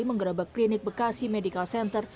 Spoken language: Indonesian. menggerabak klinik bekasi medical center